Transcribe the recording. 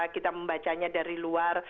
kita membacanya dari luar